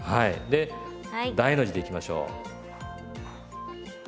で大の字でいきましょう。